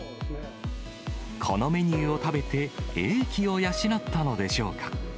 このメニューを食べて、英気を養ったのでしょうか。